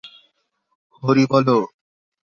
হরি বলো!